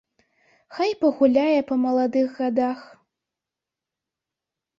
Хай пагуляе па маладых гадах.